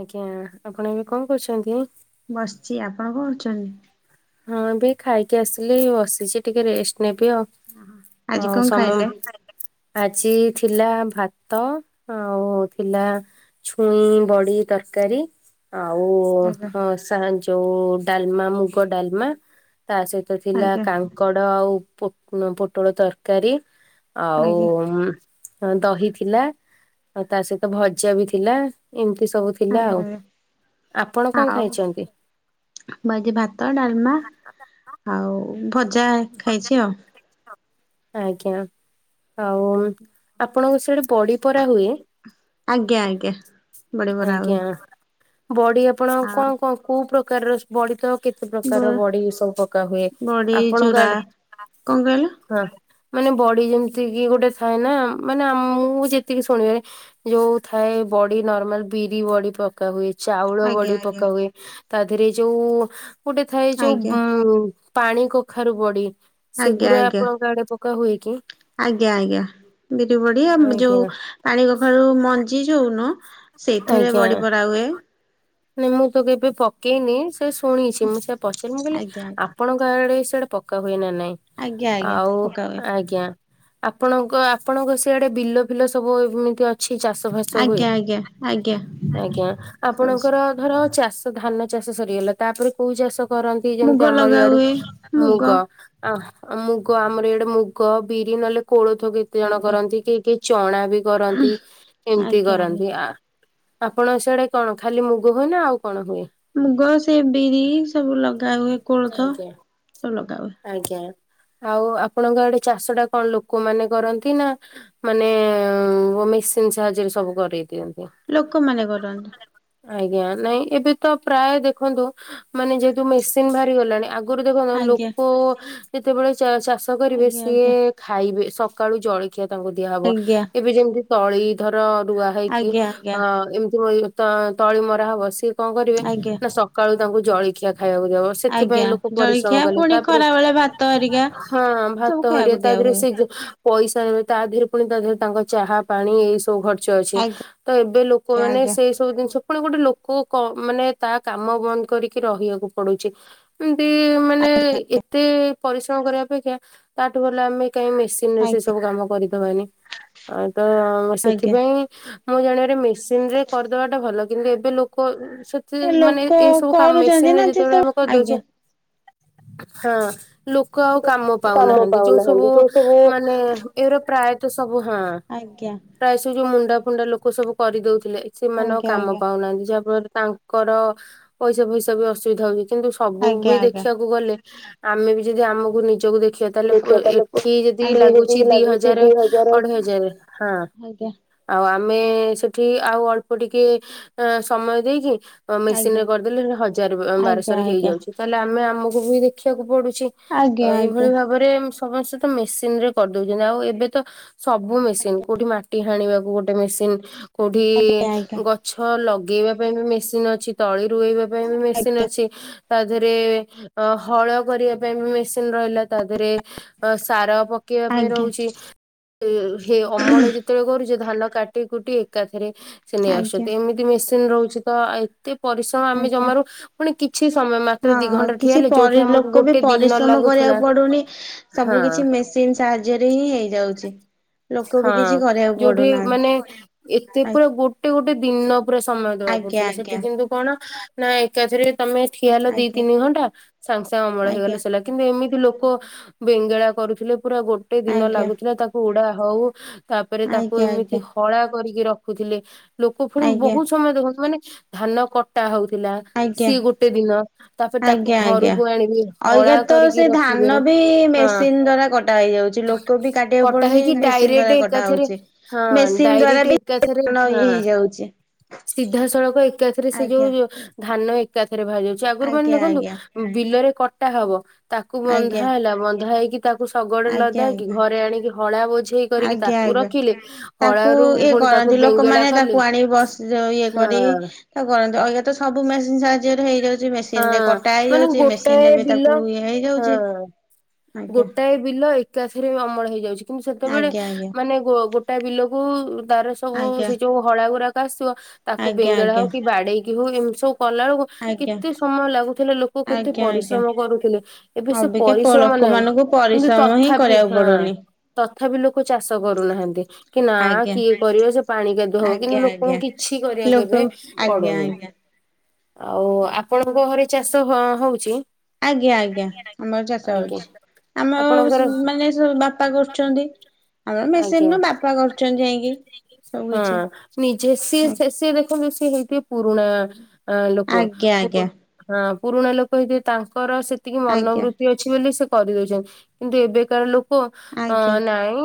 ଆଜ୍ଞା, ଆପଣ ଏବେ କଣ କରୁଛନ୍ତି? ବସିଛି, ଆପଣ କଣ କରୁଛନ୍ତି? ହଁ ଏବେ ଏଇ ଖାଇକି ଆସିଲି ବସିଛି ଟିକେ ରେଷ୍ଟ ନେବି ଆଉ। ଆଜି ହଉ କଣ ସମମ୍ ଖାଇଲେ? ଆଜି ଥିଲା ଭାତ, ଆଉ ଥିଲା ଛୁଇଁ ବଡି ତରକାରୀ ଆଉ ଆଜ୍ଞା ହଁ ସା ଯୋଉ ଡାଲମା ମୁଗ ଡାଲମା ତା ସହିତ ଥିଲା ଆଜ୍ଞା କାଙ୍କଡ ଆଉ ପୋ ପୋଟଳ ତରକାରୀ ଆଉ ଆଜ୍ଞା ଅଁ ଦହି ଥିଲା ଆଉ ତା ସହିତ ଭଜା ବି ଥିଲା ଏମିତି ସବୁ ପିଲା ଆଜ୍ଞା ଆଉ। ଆଜ୍ଞା ଆପଣ କଣ ଆଉ ଖାଇଛନ୍ତି? ମୁଁ ଆଜି ଭାତ, ଡାଲମା ଆଉ ଭଜା ଖାଇଛି ଆଉ। ଆଜ୍ଞା। ଆଉ ଆପଣଙ୍କ ସିଆଡେ ବଡି ପରା ହୁଏ? ଆଜ୍ଞା ଆଜ୍ଞା। ବଡି ବରା ହୁଏ ଆଜ୍ଞା। ବଡି ଆପଣ ଆଉ କଣ କଣ କୋଉ ପ୍ରକାରର ବଡି ତ କେତେ ବ ପ୍ରକାର ବଡି ସବୁ ପକା ହୁଏ। ବଡି ଆପଣଙ୍କ ଚୁରା ଆଡେ କଣ କହିଲ? ହଁ ମାନେ ବଡି ଯେମିତିକି ଗୋଟେ ଥାଏ ନା ମାନେ ଆ ମୁଁ ଯେତିକି ଶୁଣିବାରେ ଯୋଉ ଥାଏ ବଡି ନର୍ମାଲ ବିରି ବଡି ପକା ହୁଏ, ଚାଉଳ ଆଜ୍ଞା ବଡି ଆଜ୍ଞା ପକା ହୁଏ ତା ଧିଏରେ ଯୋଉ ଗୋଟେ ଥାଏ ଯୋଉ ଆଜ୍ଞା ଉଁ ପାଣି କଖାରୁ ବଡି। ଆଜ୍ଞା ସେଗୁରା ଆଜ୍ଞା, ଆପଣଙ୍କ ଆଡେ ପକା ହୁଏ କି? ଆଜ୍ଞା ଆଜ୍ଞା। ବିରି ବଡି ଆ ଯୋଉ ଆଜ୍ଞା ପାଣିକଖାରୁ ମଞ୍ଜି ଯୋଉ ନୁହଁ ସେଇଥିରେ ଆଜ୍ଞା ବଡି ପରା ହୁଏ। ନାଇଁ ମୁଁ ତ କେବେ ପକେଇନି ସେ ଶୁଣିଛି ମୁଁ ସେୟା ପଚାରିଲି ମୁଁ କହିଲି ଆଜ୍ଞା ଆଜ୍ଞା ଆ ଆପଣଙ୍କ ଆଡେ ସିଆଡେ ପକା ହୁଏ ନା ନାଇଁ ଆଜ୍ଞା ଆଜ୍ଞା ଆଉ, ପକା ହୁଏ ଆଜ୍ଞା। ଆପଣଙ୍କ ଆପଣଙ୍କ ସିଆଡେ ବିଲ ଫିଲ ସବୁ ଏମିତି ଅ ଛି ଚାଷ ଫାସ ହୁଏ? ଆଜ୍ଞା ଆଜ୍ଞା ଆଜ୍ଞା ଆଜ୍ଞା ଆପଣଙ୍କ ଶୁଭୁଛି। ଧର ଚାଷ ଧାନ ଚାଷ ସରିଗଲା ତାପରେ କୋଉ ଚାଷ କର ତି ଯେମିତ ମୁଗ ଆମ ଲଗା ଇଆଡ଼େ ହୁଏ ମୁଗ। ଆ ଆଉ ମୁଗ ଆମର ଇଆଡେ ମୁଗ ବିରି ନହେଲେ କୋଳଥ ବି ତେ ଜଣ ଆଜ୍ଞା। କରନ୍ତି କି କେହି କେହି ଚଣା ବି କରନ୍ତି ଏମିତି ଆଜ୍ଞା ଆଜ୍ଞା କରନ୍ତି ଆ ଆପଣ ସିଆଡେ କଣ ଖାଲି ମୁଗ ହୁଏ ନା ଆଉ କଣ ହୁଏ? ମୁଗ ସେ ବିରି ସବୁ ଲଗା ହୁଏ କୋଳଥ ଆଜ୍ଞା ସବୁ ଲଗା ହୁଏ। ଆଜ୍ଞା ଆଉ ଆପଣଙ୍କ ଆଡେ ଚାଷ ଟା କଣ ଲୋକମାନେ କରନ୍ତି ନା ମାନେ ମେସିନ ସାହାଯ୍ୟରେ ସବୁ କରେଇ ଦିଅନ୍ତି। ଲୋକମାନେ କରନ୍ତି। ଆଜ୍ଞା ନାଇଁ ଏବେ ତ ପ୍ରାୟ ଦେଖନ୍ତୁ ମାନେ ଯେହେତୁ ମେସିନ ବାହାଭ ଲାଣି ଆଜ୍ଞା ଆଗରୁ ଦେଖନ୍ତ ଆଜ୍ଞା ଲୋକ ଯେତେବେଳେ ଚାଷ କରିବେ ସିଏ ଆଜ୍ଞା। ଖାଇବେ ସକାଳୁ ଜଳଖିଆ ତାଙ୍କୁ ଦିଆହବ ଆଜ୍ଞା ଏବେ ଯେମିତି ତଳି ଧର ରୁଆ ହେଇକି ଆଜ୍ଞା ଅ ଆଜ୍ଞା ଏମିତି ତଳି ମରାହବ ସିଏ କଣ କରିବେ ଆଜ୍ଞା। ନା ସକାଳୁ ତାଙ୍କୁ ଜଳଖିଆ ଖାଇବାକୁ ଦବ। ସେଥିପାଇଁ ଆଜ୍ଞା ଲୋକ ପରିଶ୍ରମ ଜଳଖିଆ କଲେ ପୁଣି ତାପରେ ଖରା ବେଳେ ଭାତ ହେରିକା ହଁ ସବୁ ଭାତ ଖାଇବାକୁ ହରିଏ ଦିଆ ତାପହରେ ହୁଏ। ସେ ପଇସା ନେବେ ତା ଦେହରେ ପୁଣି ତାହରେ ତାଙ୍କ ଚାହା ପାଣି ଏଇ ସବୁ ଖର ଚ ଅଛି ଆଜ୍ଞା ତ ଏବେ ଲୋକମାନୋନ ଆଜ୍ଞା ସେଇ ସବୁ ଜିନିଷ ପୁଣ ଗୋଟେ ଲୋକ ମାନେ ତା କାମ ବନ୍ଦ କରିକି ରହିବାକୁ ପଡୁଛି। ଏମତି ମାନେ ଏତେ ପରିଶ୍ରମ କରିବା ଅପେକ୍ଷା ତାଠୁ ଭଲ ଆମେ କାଇହିଁ ମିଶି ଆଜ୍ଞା ସେ ସବୁ କାମ କରିଦ ହୁଏନି ତ ଆଜ୍ଞା। ସେଥିପାଇଁ ମୁଁ ଜାଣିବାରେ ମେସିନ ରେ କରିଦବାଟା ଭଲ କିନ୍ତୁ ଏବେ ଲୋକ ସେତ ଏ ମାନେ ଲୋକ ଏଇ ସବୁ କାମ ମେସିନ କରୁଛନ୍ତି ନା ରେ ଯେତେବେଳେ ଆମେ ଆଜ୍ଞା। କରିଦଉଛେ ହଁ ଲୋକ ଆଉ କାମ ପାଉନାହାନ୍ତି ଯୋଉ ସବୁ ମାନେ ଏର ପ୍ରାୟତଃ ସବୁ ହଁ। ଆଜ୍ଞା। ପ୍ରାୟ ସ ଯୋଉ ମୁଣ୍ଡା ଫୁଣ୍ଡା ଲୋକ ସବୁ କରିଦଉଥିଲେ ସେମାନଙ୍କ ଆଜ୍ଞା ଆଜ୍ଞା ପାଉନାହାନ୍ତି ଯାହାଫଳରେ ତାଙ୍କର ପଇସା ପଇସା ବି ଅସୁବିଧା ହଉନି ସବୁ ଆଜ୍ଞା ବି ଆଜ୍ଞା। ଦେଖିବାକୁ ଗଲେ ଆମେ ବି ଯଦି ଆମକୁ ନିଜକୁ ଦେଖିବା ତାହେଲେ ଦେଖିବା ଲୋକ ସେ ଏଠି ଯଦି ଲାଗୁଛି ଦି ହଜାର ଅଢେଇ ହଜାର ହଁ ଆଜ୍ଞା ଆଉ ଆମେ ସେଠି ଆଉ ଅଳ୍ପ ଟିକେ ସମୟ ଦେଇକି ମେସିନରେ ଆଜ୍ଞା କରିଦେଲେ ସେଟା ହଜାର ଆଜ୍ଞା ବାରଶହରେ ଆଜ୍ଞା ହେଇଯାଉଛି ତାହେଲେ ଆମେ ଆମକୁ ବି ଦେଖିବାକୁ ପଡୁଛି। ଆଜ୍ଞା ତ ଏଇଭଳି ଆଜ୍ଞା। ଭାବରେ ସମସ୍ତେ ତ ମେସିନ ରେ କରିଦଉଛନ୍ତି ଆଉ ଏବେ ତ ସବୁ ମେସିନ କୋଉଠି ମାଟି ହାଣିବାକୁ ଗୋଟେ ମେସିନ କୋଉଠି ଆଜ୍ଞା ଆଜ୍ଞା ଗଛ ଲଗେଇବା ପାଇଁ ବି ମେସିନ ଅଛି ତଳି ରୁଏଇବା ପାଇଁ ମେସିନ୍ ଆଜ୍ଞା ଅଛି। ତା ଦେହରେ ଅ ହଳ କରିବା ପାଇଁ ବି ମେସିନ ରହିଲା ତା ଦେହରେ ଅ ସାର ପକେଇବା ପାଇଁ ଆଜ୍ଞା ରହୁଛି ହେ ଅମଳ ଯେତେ କେତେବେଳେ କରୁଛି ଧାନ କାଟି କୁଟି ଏକାଥରେ ସେ ନେଇ ଆସୁଛନ୍ତି ଆଜ୍ଞା ଏମିତି ମେସିନ ରହୁଛି ତ ଟିକେ ପରିଶ୍ରମ ଆମେ ଆଜ୍ଞା। ଜମାରୁ ପୁଣି କିଛି ସମୟ ମାତ୍ର ଦି ହଁ ଘଣ୍ଟା ଠିଆ କିଛି ହେଲେ ପରି ଯୋଉଠି ଆମ ଲୋକ ବି ପରିଶ୍ରମ କରିବାକୁ ପଡୁନି ସବୁ ହଁ କିଛି ମେସିନ ସାହାଯ୍ୟରେ ହିଁ ହେଇଯାଉଛି। ଲୋକ ହଁ ବି କିଛି କରିବାକୁ ଯୋଉଠି ପଡୁନାହାନ୍ତି ମାନେ ଏତେ ପୁରା ଗୋଟେ ଗୋଟେ ଦିନ ପୁରା ସମୟ ଦବାକୁ ଆଜ୍ଞା ପଡୁଥିଲା ସେଠି ଆଜ୍ଞା। କିନ୍ତୁ କଣ ନାଁ ଏକାଥରେ ତମେ ଠିଆ ହେଲ ଦି ଆଜ୍ଞା ତିନି ଘଣ୍ଟା ସାଙ୍ଗେ ସାଙ୍ଗେ ଅମଳ ଆଜ୍ଞା ହେଇଗଲା ସଇଲା କିନ୍ତୁ ଏମିତି ଲୋକ ଆଜ୍ଞା ବେଙ୍ଗେଳା କରୁଥିଲେ ପୁରା ଗୋଟେ ଦିନ ଆଜ୍ଞା ଲାଗୁଥିଲା ତାକୁ ଉଡା ହଉ ତାପରେ ତାକୁ ଆଜ୍ଞା ଆଜ୍ଞା। ଏମିତି ହଳା କରିକି ରଖୁଥିଲେ ଲୋକ ପୁଣି ଆଜ୍ଞା। ବହୁତ ସମୟ ଦେଖନ୍ତୁ ମାନେ ଧାନ କଟା ହଉଥିଲା। ଆଜ୍ଞା ସିଏ ଗୋଟେ ଦିନ ତାପରେ ତାକୁ ଆଜ୍ଞା ଆଜ୍ଞା। ଘରକୁ ଆଣିବି ଅଇଗା ହଳା ତ ସେ କରିକି ରଖିବେ ଧାନ ବି ହଁ ମେସିନ ଦ୍ଵାରା କଟା ହେଇଯାଉଛି ଲୋକ ବି କାଟିବାକୁ କଟା ପଡୁନି। ହେଇକି ମେସିନ ଡାଇରେକ୍ଟ ଦ୍ଵାରା କଟା ଏକାଥରେ ହଉଛି ହଁ ମେସିନ ଡାଇରେକ୍ଟ ଦ୍ଵାରା ବି ଏକାଥରେ ଧାନ ଇଏ ହଁ ହେଇଯାଉଛି। ସିଧାସଳଖ ଏକାଥରେ ସେ ଆଜ୍ଞା ଯୋଉ ଧାନ ଏକାଥରେ ବାହାର ଯାଉଛି ଆଗରୁ ମାନେ ଆଜ୍ଞା ଦେଖନ୍ତୁ ଆଜ୍ଞା ବିଲରେ କଟା ହବ ତାକୁ ବନ୍ଧା ଆଜ୍ଞା ହେଲା ବନ୍ଧା ହେଇକି ତାକୁ ଶଗଡେ ଆଜ୍ଞା ଲଦେଇକି ଆଜ୍ଞା। ଘରେ ଆଣିକି ହଳା ବୋ ବୁଝେଇ କରିକି ଆଜ୍ଞା ତାକୁ ଆଜ୍ଞା ରଖିଲି ତାକୁ ହଳାରୁ ପୁଣି ତାକୁ ବେଙ୍ଗେଳା କଲୁ। ଯଉ ଇଏ କରି ତା କରନ୍ତି ଆଜ୍ଞା ତ ସବୁ ମେସିନ ସାହାଯ୍ୟରେ ହେଇଯାଉଛି ହଁ ମେସିନ ରେ କ କଟା ମାନେ ହେଇଯାଉଛି ମେସିନ ଗୋଟାଏ ରେ ବି ବିଲ ତାକୁ ଇଏ ହେଇଯାଉଛି। ହଁ ଆଜ୍ଞା ଗୋଟାଏ ବିଲ ଏଇକି। ଏକାଥରେ ଅମଳ ହେଇଯାଉଛି କିନ୍ତୁ ସେତେବେଳେ ଆଜ୍ଞା ଆଜ୍ଞା ମାନେ ଗୋ ଗୋଟା ବିଲକୁ ତାର ସବୁ ଆଜ୍ଞା ସେ ଯୋଉ ହଳା ଗୁଡାକ ଆସଥିବ ତାକୁ ଆଜ୍ଞା ବେଙ୍ଗେଳା ଆଜ୍ଞା। ହଉ କି ବାଡେଇକି ହଉ ଏମିତି ସବୁ କଲା କେକୁ ଆଜ୍ଞା କେତେ ସମୟ ଲାଗୁଥିଲେ ଲୋକ କେତେ ଆଜ୍ଞା ଆଜ୍ଞା ପରିଶ୍ରମ କରୁଥିଲେ ଏବେ ସେ ଅବିକା ପ ପରିଶ୍ରମ ନାହିଁ। ଲୋକମାନଙ୍କୁ କିନ୍ତୁ ପରିଶ୍ରମ ହିଁ ତଥାପି କରିବାକୁ ହଁ ପଡୁନି। ତଥାପି ଲୋକ ଚାଷ କରୁନାହାନ୍ତି। କି ନା ଆଜ୍ଞା କିଏ କରିବ ସେ ପାଣି କାଦୁଅ ହବ କିନ୍ତୁ ଆଜ୍ଞା ଲୋକଙ୍କୁ ଆଜ୍ଞା କିଛି କରିବାକୁ ଲୋକ ଏବେ ଆଜ୍ଞା ପଡୁନି ଆଜ୍ଞା। ଆଉ ଆପଣଙ୍କ ଘରେ ଚାଷ ହ ହଉଛି। ଆଜ୍ଞା ଆଜ୍ଞା ଆମର ଚାଷ ଆଜ୍ଞା ହଉଛି ଆପଣଙ୍କର ଆମର ମାନେ ସବୁ ବାପା କରୁଚନ୍ତି। ଆମର ମେସିନ ଆଜ୍ଞା ନୁ ବାପା କରୁଛନ୍ତି ଯାଇକି ସବୁ କିଛି ଆ ବ ସେ ହେଇଥ ପୁରୁଣା ଲୋକ। ଆଜ୍ଞା ହଁ ଆଜ୍ଞା ପୁରୁଣା ଲୋକ ହେଇଥିବ ତାଙ୍କର ସେତିକି ଆଜ୍ଞା ଆଜ୍ଞା ମନୋବୃତ୍ତି ଅ ଅଛି ବୋଲି ସେ କରିଦଉଛନ୍ତି କିନ୍ତୁ ଏବେକାର ଲୋକ ଅ ଆଜ୍ଞା ନାଇଁ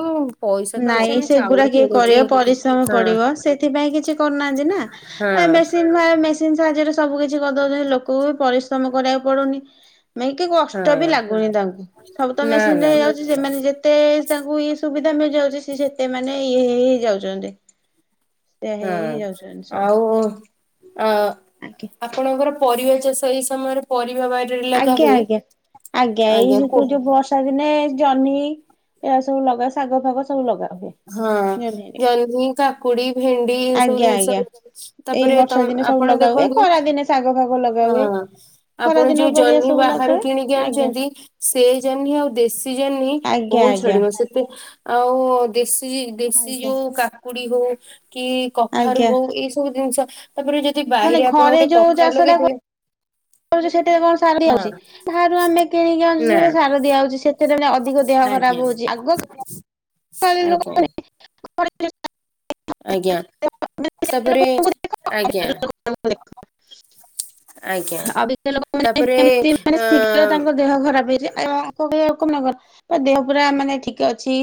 ପଇସା ତ ଅଛି ନାଇଁ ଆମେ ସେଗୁଡା ଚାଉଳ କିଏ କିଣିକି କରିବ ପରିଶ୍ରମ ହଁ ପଡିବ ସେଥିପାଇଁ କିଛି କରୁନାହାନ୍ତି ନା ହଁ ଏସେ ସେ ଭ ମେସିନ ସାହାଯ୍ୟରେ ସବୁ କିଛି କରିଦଉଛନ୍ତି ଲୋକଙ୍କୁ ବି ପରିଶ୍ରମ କରିବାକୁ ପଡୁନି। ମେଇ କି କଷ୍ଟ ବି ହଁ ଲାଗୁନି ତାଙ୍କୁ ସବୁ ତ ନା ମେସିନରେ ନା ହେଇଯାଉଛି ସେମାନେ ଯେ, ଯେତେ ତାଙ୍କୁ ଇଏ ସୁବିଧା ମିଳିଯାଉଛି ସ ସେତେ ମାନେ ଇଏ ହେଇ ହେଇ ଯାଉଛନ୍ତି। ସେ ହେଇ ହେଇ ହଁ ଯାଉଛନ୍ତି ସବୁ ଆଉ ଅଁ ଆଜ୍ଞା ଆପଣଙ୍କର ପରିବା ଚାଷ ଏଇ ସମୟରେ ପରିବା ବାରେ ଲେ ଆଜ୍ଞା ଆଜ୍ଞା ଆଜ୍ଞା ଏଇ ଯୋ ଯୋଉ କୁହ। ବସ୍‌ ବର୍ଷା ଦିନେ ଜହ୍ନି ଏ ସବୁ ଲଗା ଶାଗ ଫାଗ ସବୁ ଲଗା ହୁଏ ହଁ ଜହ୍ନି ହେରିକା। ଜହ୍ନି କାକୁଡି ଭେଣ୍ଡି ଏ ସବୁ ଆଜ୍ଞା ଜିନିଷ। ଆଜ୍ଞା। ଏଇ ତାପରେ ତ ବର୍ଷା ଦିନେ ସବୁ ଆପଣ ଲଗା ହୁଏ ଦେଖନ୍ତୁ ଖରା ଦିନେ ଶାଗ ଫାଗ ଲଗା ହଁ ହୁଏ। ଖରା ଆପଣ ଦିନ ଯୋଉ ପରିବା ଜହ୍ନି ସବୁ ବାହହାରୁ ଲଗାଏ କିଣିକି ଆଜ୍ଞା ଆଣଛନ୍ତି ସେ ଜହ୍ନି ଆଉ ଦେଶୀ ଜହ୍ନି ଆଜ୍ଞା ବହୁତ ଆଜ୍ଞା ଛିଡିବ। ସେତେ ଆଉ ଦେଶୀ ଦେଶୀ ଆଜ୍ଞା। ଯୋଉ କାକୁଡି ହଉ କି କଖାରୁ ଆଜ୍ଞା ହଉ ଏଇ ସବୁ ଜିନିଷ ତାପରେ ଯଦି ମାନେ ବାଇରେ ଆପଣ ଘରେ ଗୋଟେ କଖାରେ ଲଗେଇଥିବେ ତାପରେ ସେଥିରେ କଣ ସାର ଦିଆ ହେଇଛି ହଁ ତାହାଠୁ ଆମେ କିଣିକି ନା ଆଣୁଛୁ ସାର ଦିଆ ଅଉଛି। ସେ ଥିପାଇଁ ଅଧିକ ଦେହ ଆଜ୍ଞା ଖରାପ ହଉଛି ଆଗ ଆଜ୍ଞା। ହ। [unintelligible] ଖ। ଆଜ୍ଞା ତାପରେ ଆଜ୍ଞା [unintelligible] ଆଜ୍ଞା ଅବଜ୍ଞ ଲୋକ ତାପରେ ମାନମିତି ମାନେ ଅ ଶୀଘ୍ର ତାଙ୍କ ଦେହ ଖରାପ ହେଇଯ ପୁଡ଼ିଆକୁନବାନି ତା ଦେହ ପୁରା ମାନେ ଠିକ ଅଛି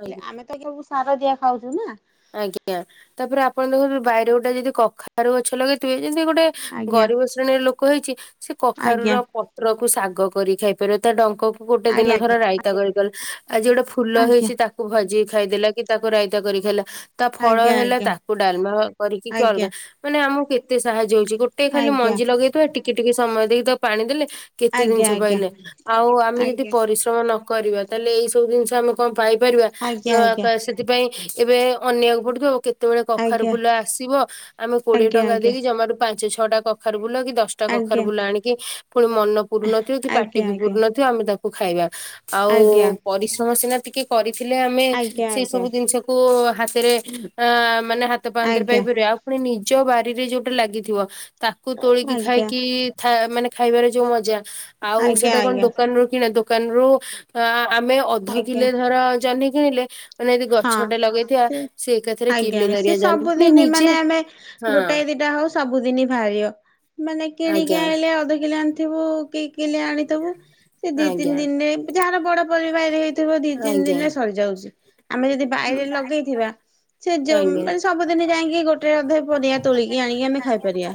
ଆଜ୍ଞା। ଆଜ୍ଞା ମୁଁ ସାର ଦିଆ ଖାଉଚୁ ନା। ଆଜ୍ଞା ତାପରେ ଆପଣ ଦେଖନ୍ତୁ ବାାଇରେ ଗୋଟେ ଯଦି କଖାରୁ ଗଛ ଲଗେଇଥିବେ ଯେମିତି ଗୋଟେ ଆଜ୍ଞା। ଗରିବ ଶ୍ରେଣୀର ଲୋକ ହେଇଛି ସେ ଆଜ୍ଞା। କଖାରୁୁର ପ ପ୍ରକୁ ଶାଗ କରି ଖାଇପାରିବ ତା ଡଙ୍କ ଗୋଟେ ଆଜ୍ଞା ଦିନ ଆଜ୍ଞା ଧର ରାଇତା କରିଦଲେ ଆଜି ଗୋଟେ ଫୁଲ ଆଜ୍ଞା। ହେଇଛି ତା କୁ ଭାଜି ଖାଇଦେଲା କି ତାକୁ ରାଇତା କରି ଖାଇଲା। ତା ଫଳ ହେଲା ଆଜ୍ଞା। ତାକୁ ଡାଲମା କରିକି କି ଅଲଗା ଆଜ୍ଞା ମାନେ ଆମକୁ କେତେ ସାହାଯ୍ୟ ହଉଛି ଗୋ ଗୋଟେ ଖାଲି ଆଜ୍ଞା ମଞ୍ଜି ଲଗେଇଥିବା ଟିକେ ଟିକେ ସମୟ ଦେଇ ତ ପାଣି ଦେଲେ କେତେ ଜିନିଷ ଆଜ୍ଞା। ପାଇଲେ ଆଉ ଆମେ ଯଦି ଆଜ୍ଞା ପରି ଯମା ନ କରିବା ତାହେଲେ ଏଇ ସବୁ ଜିନିଷ ଆମେ କଣ ପାଇପାରିବା ଆଜ୍ଞା ଜମା ଆଜ୍ଞା। ପାଇ ସେଥିପାଇଁ ଏବେ ଅନେଇବାକୁ ପଡିବ ଆଉ କେତେବେଳେ କଖାରୁ ଆଜ୍ଞା। ଫୁଲ ଆସିବ ଆମେ କୋଡିଏ ଆଜ୍ଞା ଟଙ୍କା ଆଜ୍ଞା ଦେଇକି ଜମାରୁ ପାଞ୍ଚ ଛଅଟା କଖାରୁ ଫୁଲ କି ଦଶଟା କଖାରୁ ଆଜ୍ଞା ଫୁଲ ଆଣିକି ଫୁଣି ମନ ପୁରୁନଥିବ କି ପାଟି ଆଜ୍ଞା ବି ପୁରୁନ ଆମେ ତାକୁ ଖାଇବା ଆଉ ଆଜ୍ଞା ଆଜ୍ଞା ପରିଶ୍ରମ ସିନା ଟିକେ କରିଥିଲେ ଆମେ ଆଜ୍ଞା ସେଇ ସବୁ ଜିନିଷକୁ ହାତରେ ଆ ମାନେ ହା ହାତ ଆଜ୍ଞା। ଆଜ୍ଞା ଆଜ୍ଞା ଆଜ୍ଞା ପାନ୍ତରେ ପାଇପାରିବା ଆଉ ପୁଣି ନିଜ ବାରିରେ ଯୋଉଟା ଲାଗିଥିବ ତାକୁ ତୋଳିକି ଆଜ୍ଞା ଖାଇକି ଥା ମାନେ ଖାଇବାରେ ଯୋଉ ମଜା ଆଉ ଆଜ୍ଞା ଆଜ୍ଞା ସେଇଟା କଣ ଆଜ୍ଞା ଦୋକାନ ରୁ କିଣା ଦୋକାନରୁୁ ଆ ଆମେ ଅଧ ଆଜ୍ଞା। କିଲେ ଧର ଜହ୍ନି କିଣିଲେ ମାନେ ଯଦି ହଁ ଗଛଟେ ଲଗେଇଥିବା ସେ ସେ ଏକାଥରେ ଆଜ୍ଞା କିଲେ ସି ଦାରିଆ ଜହ୍ନି ସବୁଦିନେ ନିଜେ ମାନେ ଆମେ ହଁ ଗୋଟାଏ ଦିଟା ହଉ ସବୁଦିନି ବାହାରିବ। ମାନେ କିଣିକି ଆଜ୍ଞା ଆଣିଲେ ଅଧ କିଲେ ଆଣିଥିବୁ କି କିଲେ ଆଣିଥିବୁ ସେ ଦି ତିନି ଆଜ୍ଞା ଦିନିରେ ଯାହାର ବଡ ପରିବାର ହେଇଥିବ ଦି ତିନ୍ ଆଜ୍ଞା ଦିନ୍ ରେ ସରିଯାଉଛି ଆମେ ଯଦି ବାଇରେ ଲଗେଇଥିବା ସେ ଯେମ୍ ଆଜ୍ଞା। ମାନେ ସବୁଦିନି ଯାଇଁକି ଗୋଟେ ଅଧେ ପରିବା ତୋଳିକି ଆଣିକି ଆମେ ଖାଇପାରିଆ।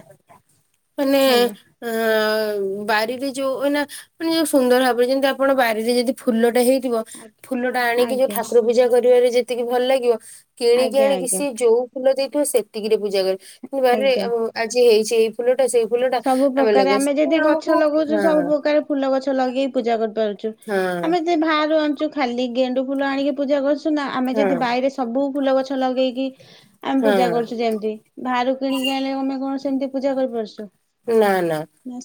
ମାନେ ଏଁ ବାରିରେ ଯୋଉ ଏଇନା ମାନେ ଯୋଉ ସୁନ୍ଦର ଲାଗୁଚନ୍ତି ଯେମିତି ଆପଣ ବାରିରେ ଯଦି ଫୁଲଟେ ହେଇ ଥିବ ଆଜ୍ଞା ଫୁଲଟା ଆଣିକି ଯୋଉ ଆଜ୍ଞା ଠାକୁର ପୂଜା କରିବାରେ ଯେତିକି ଭଲ୍ ଲାଗିବ କି ଆଜ୍ଞା କେଣିକି ଆଜ୍ଞା ସିଏ ଯୋଉ ଫୁଲ ଦେଇଥିବ ସେତିକିରେ ପୂଜା କରି ଫୁଣି ବାରିରେ ଆଜ୍ଞା। ଉ ଆଜି ହେଇଛି ଏଇ ଫୁଲଟା ସେଇ ଫୁଲଟା ସବୁ ପ୍ରକାରେ ଲଗେଇ ଆମେ ସେ ଯେଦି ଆମକୁ ଗଛ ଲଗୋଉଚୁ ହଁ ସବୁ ପ୍ରକାର ଫୁଲ ଗଛ ଲଗେଇକି ପୂଜା କରି ପାରୁଚୁ ହଁ ଆମେ ଦି ଭାଆରୁ ଆଣୁଚୁ ଖାଲି ଗେଣ୍ଡୁ ଫୁଲ ଆଣିକି ପୂଜା କରୁଚୁ। ସୁନା ଆମେ ହଁ ଯଦି ବାଇରେ ସବୁ ଫୁଲ ଗଛ ଲଗେଇକି ଆମେ ପୂଜା ହଁ। କରୁଛୁ ଯେମ୍ତି। ଭାରୁ କିଣିକି ଆଣିଲେ ତମେ କଣ ସେମ୍ତି ପୂଜା କରିପାରୁଛୁ। ନା ନା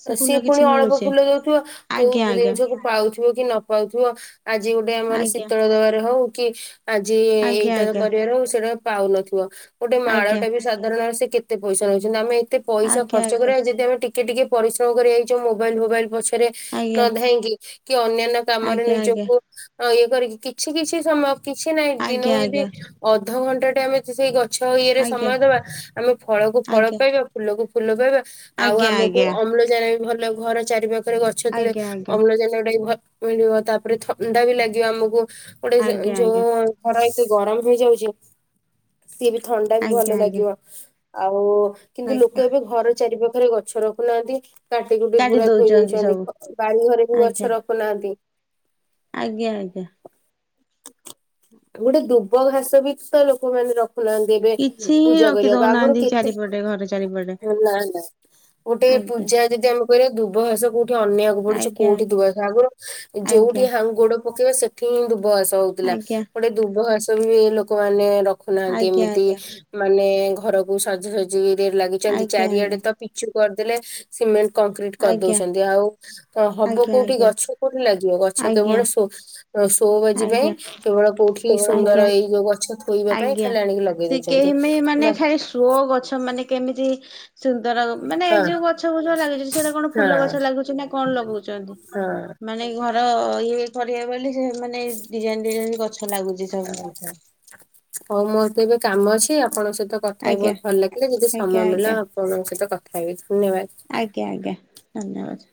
ସେ ଫୁଲ ସିଏ କିଛି ଫୁଣି ଅଳପ ମିଳୁଛି ଫୁଲ ଯୋଉ ଥିବ ଆଜ୍ଞା କୋଉ ଆଜ୍ଞା ଜିନ୍ ସକୁ ପାଉଥିବ କି ନପାଉଥିବ ଆଜି ଗୋଟେ ଆମର ଆଜ୍ଞା ଶୀତଳ ଦବାରେ ହୋଉ କି ଆଜି ଆଜ୍ଞା ଏଇଟାର କରିବାର ହୋଉ ସେଟା ପାଉନଥିବ ଗୋଟେ ଆଜ୍ଞା। ମାଳଟେ ବି ସାଧାରଣରେ ସେ କେତେ ପଇସା ନୋଉଛନ୍ତି ଆମେ ଏତେ ପଇସା ଆଜ୍ଞା ଖର୍ଚ ଆଜ୍ଞା ଯଦି ଆମେ ଟିକେ ଟିକେ ପରିଶ୍ରମ କରିଆଇଚ ମୋବାଇଲ୍ ଫୋବାଇଲ୍ ପଛରେ ଆଜ୍ଞା ନ ଧାଇଁକି କି ଅନ୍ୟାନ୍ୟ କାମରେ ଆଜ୍ଞା ଆଜ୍ଞା ନିଜକୁ ଅଁ ଇଏ କରିକି କିଛି କିଛି ସମୟ କିଛି ନାହିଁ ଆଜ୍ଞା। ଆଜ୍ଞା ଦିନୁକୁ ଯଦି ଆଜ୍ଞା ଅଧଘଣ୍ଟା ଟେ ଆମେ ସେଇ ଗଛ ଇଏରେ ସମୟ ଦବା ଆମେ ଫଳକୁ ଫଳ ଆଜ୍ଞା ଆଜ୍ଞା ଆଜ୍ଞା ପାଇବା। ଫୁଲକୁ ଫୁଲ ପାଇବା ଆଉ ଆମକୁ ଅମ୍ଳଜାନ ବି ଭଲ ଘର ଚାରି ପାଖରେ ଗ ଛ ଥିଲେ ଆଜ୍ଞା। ଅମ୍ଳଜାନ ଟା ବି ଭଲ୍ ମିଳିବ ତାପରେ ଥଣ୍ଡା ବି ଲାଗିବ ଆମୁକୁ। ଗୋଟେ ସେ ଆଜ୍ଞା ଆଜ୍ଞା ଆଜ୍ଞା ଆଜ୍ଞା ଆଜ୍ଞା ଯୋ ଆଜ୍ଞା। ଖରା ଏତେ ଗରମ୍ ହେଇଯାଉଛି ସିଏ ବି ଥଣ୍ଡା ବି ଭଲ ଆଜ୍ଞା। ଲାଗିବ ଆଉ କିନ୍ତୁ ଆଜ୍ଞା ଲୋକ ଏବେ ଘରେ ଚାରି ପାଖରେ ଗଛ ରଖୁନାହାନ୍ତି କାଟି କୁଟି ପୁରା ଦଉଛନ୍ତି ଥୋଇଦୋଉଛନ୍ତି ସବୁ ବାଡିଘରେ ବି ଆଜ୍ଞା ଗଛ ରଖ ଖୁ ନାହାନ୍ତି। ଆଜ୍ଞା ଆଜ୍ଞା। ଗୋଟେ ଦୁବ ଘାସ ବି ସୁଦ୍ଧା ଲୋକମାନେ ରଖ ଖୁ ନାହାଁନ୍ତି ଏବେ କିଛି ହିଁ ପୂଜା ରଖି କରିଆକୁ ଆଗୁରୁ ଦଉନାହାନ୍ତି କେତେ ଚାରିପଟେ ଘର ଚାରିପଟେ ରଖୁ ନାନି ବାସ୍ ଗୋଟେ ଆଜ୍ଞା। ପୂଜା ଯଦି ଆମେ କରିବା ଦୁବଘାଷ କୋଉଠି ଅନେଇଆକୁ ବାକୁ ପଡୁଛି ଆଜ୍ଞା କୋଉଠି ଦୁବ ଘାସ ଆଗୁରୁ ଆଜ୍ଞା ଯେଉଠି ହା ଗୋଡ ପକେଇବା ସେଠି ହିଁ ଦୁବ ଘାସ ହୋ ଥିଲା, ଆଜ୍ଞା ଗୋଟେ ଦୁବ ଘାସ ବି ଏ ଲୋକମାନେ ରଖୁନାହାଁନ୍ତି ଆଜ୍ଞା ଏମିତି ମାନେ ଘରକୁ ସଜାସଜିରେ ଆଜ୍ଞା ଲାଗିଚନ୍ତି, ଆଜ୍ଞା ଚାରିଆଡେ ତ ପିଚୁ କରିଦେଲେ। ସିମେଣ୍ଟ କଂକ୍ରିଟ୍ ଆଜ୍ଞା। କରିଦୋଉଛନ୍ତି, ଆଉ ତ ହବ ଆଜ୍ଞା ଆଜ୍ଞା କୋଉଠି ଆଜ୍ଞା ଗଛ। କୋଉଠି ଲାଗିବ, ଗଛ କେବଳ ଆଜ୍ଞା ସୋ ତ ସୋ ବାଜି ପାଇଁ ଆଜ୍ଞା କେବଳ କୋଉଠି ସୁନ୍ଦର ଆଜ୍ଞା। ଏଇ ଯୋଉ ଗଛ ଥୋଇବା ପାଇଁ ଆଜ୍ଞା ଖାଲି ଆଣିକି ଲଗେଇ ଦୋଉଛନ୍ତି, ନା ଶୋ ଗଛ ମାନେ କେମିତି ସୁନ୍ଦର ମାନେ ହଁ ଏଇ ଯେଉ ଗଛ ବୁଛ ଲାଗିଚି, ସେରା କଣ ହଁ ଫୁଲ ଗଛ ଲାଗୁଛି ନା କଣ ଲଗଉଚନ୍ତି। ହଁ। ମାନେ ଘର ଇଏ କରିବେ ବୋଲି ସେ ମାନେ ଡିଜାଇନ୍ ଡିଜାଇନ୍ ଗଛ ଲାଗୁଛି ସବୁ। ଆଚ୍ଛା। ହଉ ମୋର ତ ଏବେ କାମ ଅଛି, ଆପଣଙ୍କ ସହିତ କଥା ହେଇକି ଆଜ୍ଞା ବୋହୁତ୍ ଭଲ ଲାଗିଲା ଯଦି ସମୟ ଆଜ୍ଞା ଆଜ୍ଞା ମିଳିଲା ଆପଣଙ୍କ ସହିତ କଥା ହେବି। ଆଜ୍ଞା ଆଜ୍ଞା, ଧନ୍ୟବାଦ୍।